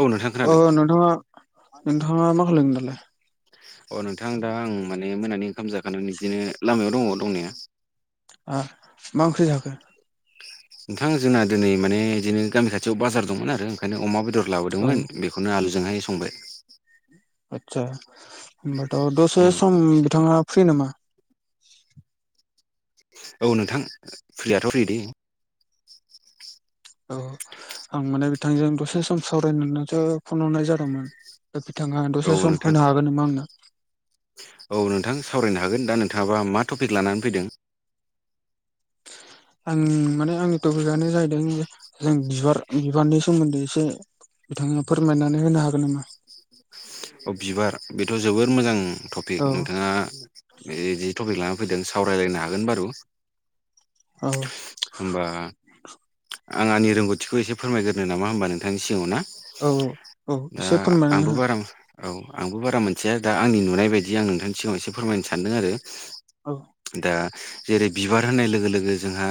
औ नोंथां अ खोनादों नोंथांङा नोंथांङा मा खालामलोन दालाय। अ नोंथां दा आं माने मोनानि ओंखाम जाखानानै बिदिनो लामायाव दंङो दंनाया। मा ओंख्रि जाखो नोंथां जोंना दिनै माने बिदिनो गामि खाथियाव बाजार दंमोन आरो ओंखायनो अमा बेदर औ लाबोदोंमोन बेखौ बेखौनो आलुजोंहाय संबाय आदसा होनोमबाथ' दसे उम सम बिथाङा फ्रि नामा औ नोंथां फ्रियाथ' रेडि औ आं माने बिथांजों दसे सम सावरायनोनोथो फन हरनाय जादोंमोन। बिथाङां औ दस्रा सम नोंथां होनो हागोन नामा आंनो। औ नोंथां सावरायनो हागोन दा नोंथाङाबा मा टपिक लानानै फैदों। आं माने आंनि टपिकआनो जाहैदों जों बिबार बिबारनि सोमोन्दै एसे बिथाङा फोरमायनानै होनो हागोन नामा? अ बिबार बेथ' जोबोर मोजां टपिक औ नोंथाङा। बे जि टपिक लाना फैदों सावरायलायनो हागोन बारु औ होमबा आं आंनि रोंगौथिखौ एसे फोरमायग्रो नामा होमबा नोंथांनि सिगाङाव ना औ औ दा एसे फोरमायनानै आंबो हो बारा औ आंबो बारा मोनसथिया दा आंनि नुनाय बायदि आं नोंथांनि सिगाङाव एसे फोरमायनो सानदों आरो। औ। दा जेरै बिबार होनाय लोगो लोगो जोंहा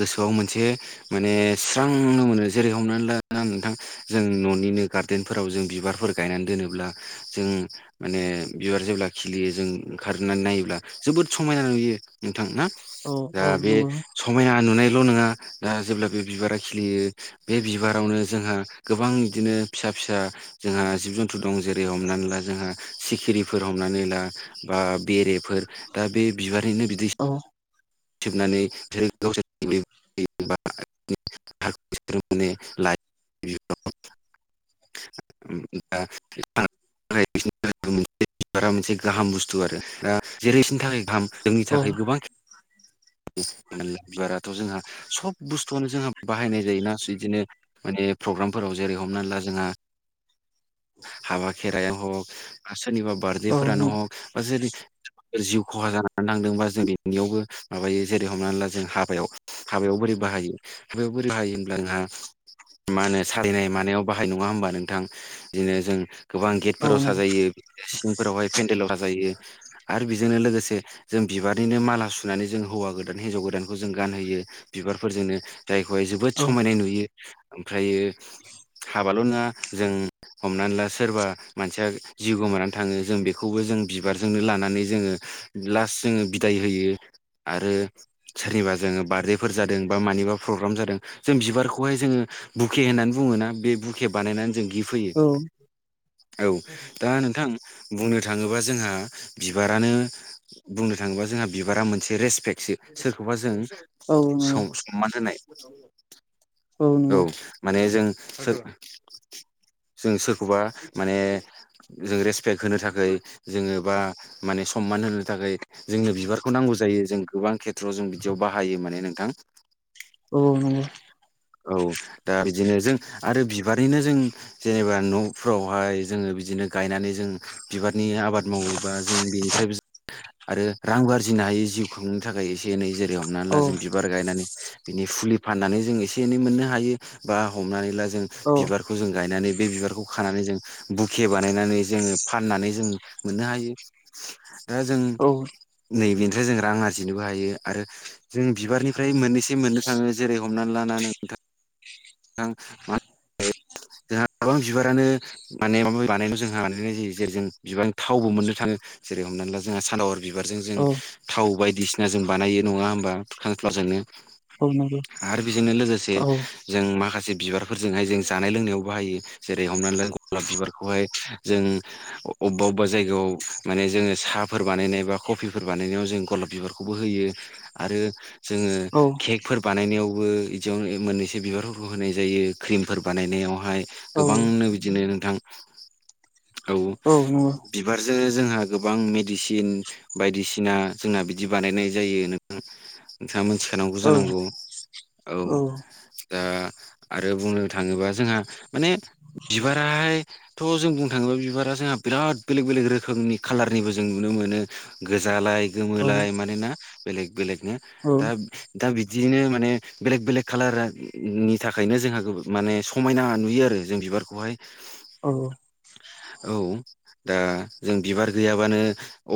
गोसोआव मोनसे माने स्रांनो मोनो जेरै हमनानै ला नोंथां। जों न'निनो गार्देनफोराव जों बिबारफोर गायनानै दोनोब्ला जों माने बिबार जेब्ला खिलियो जों ओंखारनानै नायोब्ला जोबोद समायना नुयो नोंथां ना औ दा औ बे नंगौ समायना नुनायल' नङा दा जेब्ला बे बिबारा खिलियो बे बिबारावनो जोंहा गोबां बिदिनो फिसा फिसा जोंहा जिब जन्थु दं जेर हमनानै ला जोंला सिख्रि हमनानै ला बा बे बिबारनिनो बेरेफोर औ। सिबनानै बिसोरो गावसोर [unintelligible] [unintelligible] [unintelligible] [unintelligible] बिबारा मोनसे गाहाम बुस्थु आरो दा जेरै बिसोरनि थाखाय गाहाम जोंनि औ थाखाय गोबां। गुवाराथ' जोंहा सब बुस्थुआनो जोंहा बाहायनाय जायोना बिदिनो माने प्रग्रामफोराव जेरै हमनानै ला जोंहा हाबा खेराय [unintelligible] सोरनिबा बार्डे औ फोरानो नंगौ हक बा जेरै जिउ खहा जानानै थांदोंबा जों बेनियावबो माबायो जेरै हमनानै ला जों हाबायाव हाबायाव बोरै बाहायो हाबायाव बोरै बाहायो होनब्ला जोंहा। मा होनो सालायनाय मानायाव बाहाय नङा होनोमबा नोंथां बिदिनो जों गोबां औ गेटफोराव नंगौ साजायो सिंफोरावहाय पेन्देलाव साजायो आरो बेजोंनो लोगोसे जों बिबारनिनो माला सुनानै जों हौवा गोदान हिन्जाव गोदानखौ जों गानहोयो। बिबारफोरजोंनो जायखौहाय जोबोद औ समायनाय नुयो ओमफ्रायो। हाबाल' नङा जों हमनानै ला सोरबा मानसिया। जिउ गोमानानै थाङो जों बेखौबो जों बिबारजोंनो लानानै जोङो लास्ट जोङो बिदाय होयो। आरो सोरनिबा जोङो बार्डेफोर जादों बा मानिबा। प्रग्राम जादों जों बिबारखौहाय जोङो बुके होननानै बुङोना। बे बुके बानायनानै जों गिफ्ट होयो औ औ दा नोंथां बुंनो थाङोबा जोंहा बिबारानो बुंनो थाङोबा जोंहा बिबारा मोन मोनसे रेसपेक्टसो सोरखौबा जों औ नंगौ स-सनमान होनाय औ माने जों जों सोरखौबा माने जों रेसपेक्ट होनो थाखाय जोङो बा माने सनमान होनो थाखाय जोंनो बिबारखौ नांगौ जायो जों गोबां गोबां खेथ्र'आव जों बिदियाव बाहायो माने नोंथां औ नंगौ औ दा बिदिनो जों आरो बिबारनिनो जों जेनेबा न'फ्रावहाय जोङो बिदिनो गायनानै जों बिबारनि आबाद मावोबा जों बेनिफ्राय आरो रांबो आरजिनो हायो जिउ खुंनो थाखाय एसे एनै जेरै हमनानै औ ला जों बिब बिबार गायनानै बिनि फुलि फाननानै जों एसे एनै मोननो हायो बा हमनानै ला जों बिबार खौ जों गायनानै बे बिबारखौ खानानै जों बुखे बानायनानै जोङो फाननानै जों मोननो हायो। [inaudible] दा जों औ नैबेनिफ्राय जों रां आरजिनोबो हायो आरो जों बिबारनिफ्राय मोननैसो मोननो थाङो जेरै हमनानै लाना नोंथां मा [unintelligible] जोंहा गोबां बिबारानो माने माबा बानायनाय जोंहा माने जेरै जेरै जों बिबारजों थावबो मोननो थाङो जेरै हमनानै ला जोंहा सान आरो [unintelligible] बिबारजों जों औ थाव बायदिसिना जों बानायो नङा होमबा सान फलवारजोंनो औ नंगौ आरो बेजोंनो लोगोसे औ जों माखासे बिबारफोरजोंहाय जों जानाय लोंनायाव बाहायो जेरै हमनानै ला गलाब बिबारखौहाय जों अबेबा अबेबा जायगायाव माने जोङो साहाफोर बानायनाय बा कफिफोर बानायनायाव जों गलाब बिबारखौबो होयो आरो जोङो औ केक फोर बानायनायावबो बिदियावनो मोननैसो बिबारफोरखौ होनाय जायो क्रिमफोर बानायनायावहाय औ गोबांनो बिदिनो नोंथां औ बिबारजोंनो जोंहा गोबां मेडिसिन बायदिसिना जोंना बिदि बानायनाय जायो नों नोंथाङा मोनथिखानांगौ औ जानांगौ औ दा आरो बुंनो थाङोबा जोंहा माने बिबार थ' जों बुंनो थाङोब्ला बिबारा जोंहा बिराद बेलेग बेलेग रोखोमनि खाालारनिबो जों नुनो मोनो गोजालाय गोमोलाय मानोना बेलेग बेलेकनो दा दा बिदियैनो माने बेलेक बेलेक खाालारनि थाखायनो जोंहा माने स समायना नुयो आरो जों बिबारखौहाय औ औ दा जों बिबार गैयाबानो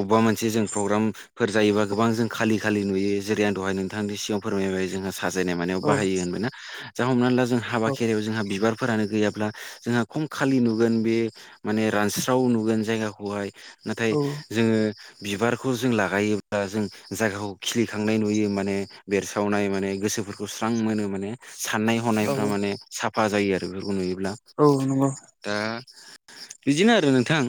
अबेबा मोनसे जों प्रग्राम फोर जायोबा गोबां जों खालि खालि नुयो जेरै आं दहाय नोंथांनि सिगाङाव फोरमायबाय जोंहा साजायनाय मानायाव बाहायो होनबाय ना जा हमनानै ला जों हाबा खेरायाव जोंहा बिबारफोरानो गैयाब्ला जोंहा खम खालि नुगोन बे माने रानस्राव नुगोन जायगाखौहाय नाथाय जोङो बिबारखौ जों ला जायोब्ला जों जायगाखौ खिलिखांनाय नुयो माने बेरसावनाय माने गोसोफोरखौ स्रां मोनो माने साननाय हनायफ्रा औ औ माने साफा जायो आरो बेफोरखौ नुयोब्ला औ नंगौ दा बिदिनो आरो नोंथां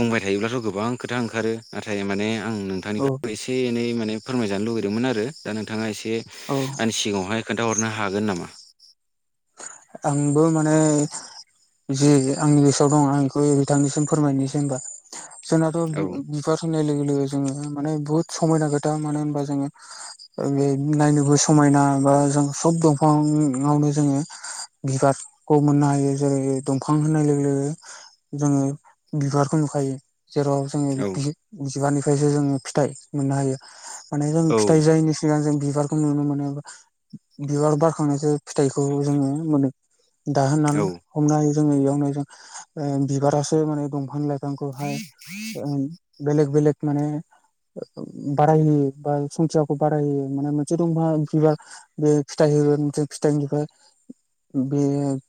बुंबाय थायोब्लाथ' गोबां खोथा ओंखारो नाथाय माने आं नों औ थांनिफ्राय एसे एनै माने फोरमायजानो लुुबैदोंमोन आरो दा नोंथाङा एसे औ आंनि सिगाङावहाय खोन्थाहरनो हागोन नामा? आंबो माने जे आंनि गोसोआव दं आं बेखौ बिथांनिसिम फोरमायनोसै होमबा जोंनाथ' बि औ बि बार होननाय लोगो लोगो जोङो माने बुहुत समायना खोथा मानो होनबा जोङो बे नायनोबो समायना बा जों सब दंफाङावनो जोङो बिबारखौ मोननो हायो जेरै दंफां होननाय लोगो लोगो जोङो बिबारखौ नुखायो जेराव जोङो औ बि बिबारनिफ्रायसो जोङो फिथाइ मोननो हायो माने जों फिथाइ जायैनि सिगां जों बिबारखौ नुनो मोनो बिबार बारखांनायसो फिथाइखौ जोङो मोनो दा होननानै औ हमनो हायो जोङो बेयावनो जों बिबारासो माने दंफां लाइफां फिफांखौहाय बेलेग बेलेक माने बारायहयो बा संखयाखौ बारायहोयो मोनोमोन मोनसे दंफां बिबार बे फिथाइ होगोनो फिथाइनिफ्राय बे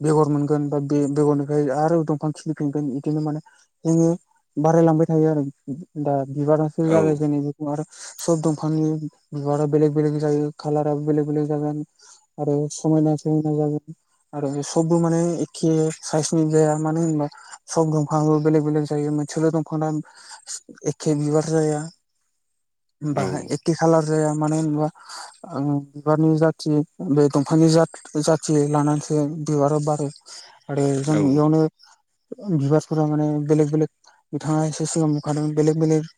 बेगर मोनगोन बा बे बेगरनिफ्राय आरो दंफां खिलिफिनगोन बिदिनो माने जोङो बारायलांबाय थायो आरो दा बिबारासो औ जागायजेननाय आरो सब दंफांनि बिबारा बेलेग बेलेग जायो कालाराबो बेलेग बेलेग जागोन आरो समायना समायना जागोन आरो सबबो माने एखे साइसनि जाया मानो होनबा सब दंफांबो बेलेग बेलेग जायो मोनसेल' दंफांना एखे बिबार जाया औ बाहा एखे खालार जाया मानो होनबा ओं बिबारनि जाथि बे दंफांनि जाथि लानानै जों बिबारा बारो आरो जों इयावनो बिबारफोरा माने बेलेग बेलेग बिथाङा एसे सिगां बुंखादों बेलेग बेलेग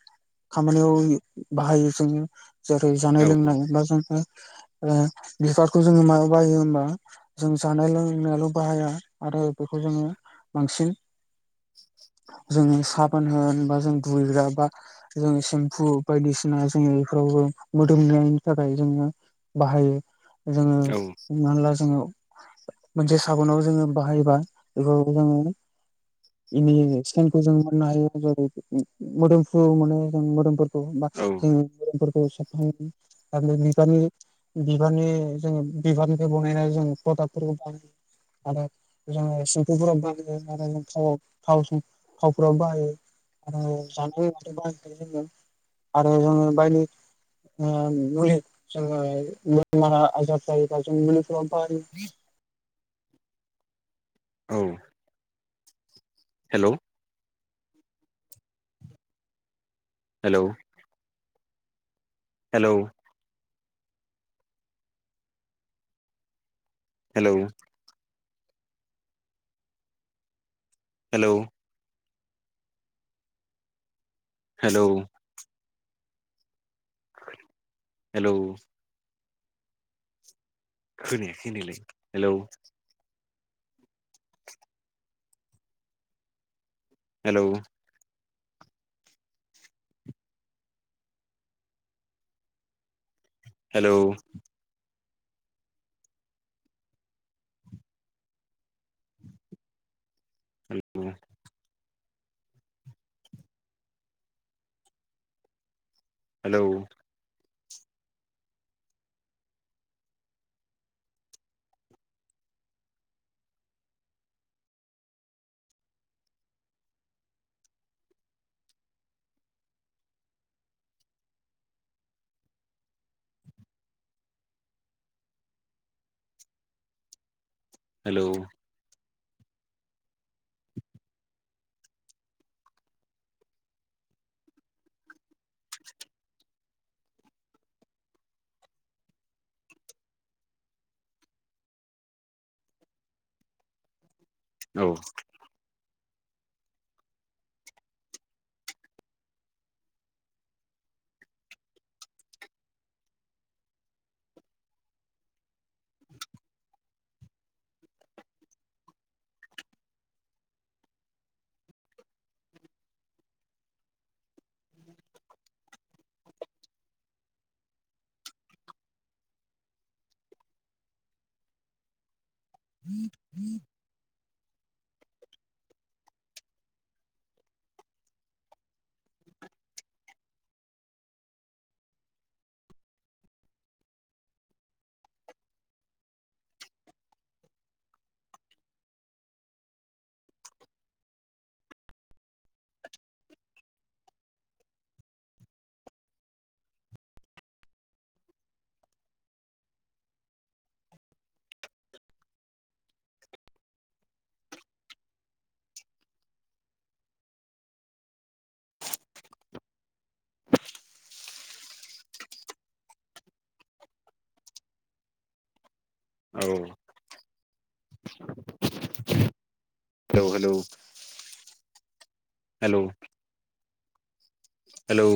खामानियाव होयो बाहायो जोङो जेरै जानाय लोंनाय बा जोङो बिबारखौ जोङो माबा बायो होमबा जों जानाय लोंनायाल' बाहाया आरो बेखौ जोङो बांसिन जोङो साबोन होन बा जों दुइग्रा बा जोङो सेम्फु बायदिसिना जोङो बेफोरावबो मोदोमनायनि थाखाय जोङो बाहायो जोङो औ हम होनला जोङो मोनसे साबुनाव जोङो बाहायोबा बेखौ जोङो इनि सेनखौ जों मोननो हायो जै मोदोमफ्रु मोनो जों मोदोमुफोर औ [unintelligible] आरो बिबारनि बिबारनि जोङो बिबारनिफ्राय बनायनाय जों पउडारफोरबो बानायो आरो जोङो सेम्फुफोराव बाहायो आरो थावाव थाव थावफोराव बाहायो आरो जानाय [unintelligible] बाहाखायो जोङो आरो जोङो बायदि ओ मुलि जोङो बेमारा आजार जायोबा जों मुलिफोराव बाहायो [inaudible] औ hello hello hello hello hello hello hello खोनायाखै होनदो लै हेलौ हेलौ हेलौ आं बुङा हेलौ हेल' औ [inaudible] औ हेलौ हेलौ हेल' हेलौ